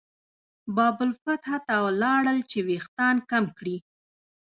باب الفتح ته لاړل چې وېښتان کم کړي.